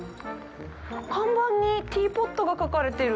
看板にティーポットが描かれてる。